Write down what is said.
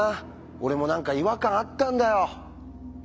俺も何か違和感あったんだよ。